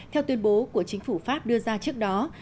theo tuyên bố của chính phủ pháp đưa ra trước đó